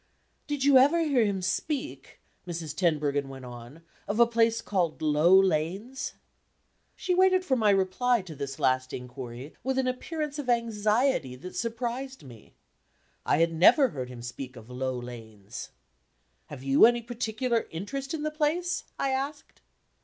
"Did you ever hear him speak," Mrs. Tenbruggen went on, "of a place called Low Lanes?" She waited for my reply to this last inquiry with an appearance of anxiety that surprised me. I had never heard him speak of Low Lanes. "Have you any particular interest in the place?" I asked.